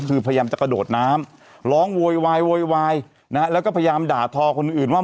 คือพยายามจะกระโดดน้ำร้องโวยวายโวยวายนะฮะแล้วก็พยายามด่าทอคนอื่นว่า